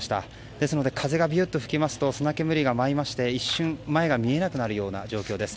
ですので、風が吹きますと砂煙が舞いまして一瞬、前が見えなくなるような状況です。